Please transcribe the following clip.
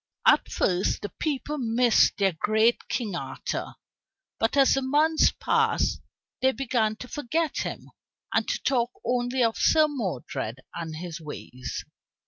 At first the people missed their great King Arthur, but as the months passed they began to forget him, and to talk only of Sir Modred and his ways.